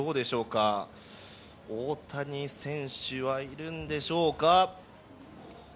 大谷選手はいるんでしょうか。